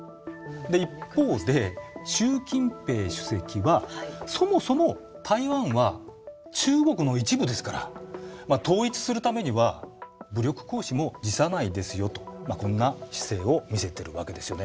一方で習近平主席はそもそも台湾は中国の一部ですから統一するためには武力行使も辞さないですよとこんな姿勢を見せてるわけですよね。